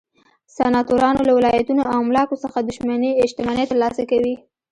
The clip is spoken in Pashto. سناتورانو له ولایتونو او املاکو څخه شتمنۍ ترلاسه کولې.